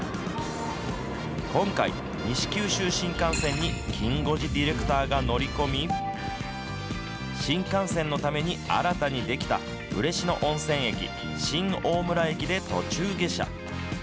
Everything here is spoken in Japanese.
今回、西九州新幹線にきん５時ディレクターが乗り込み、新幹線のために新たに出来た嬉野温泉駅、新大村駅で途中下車。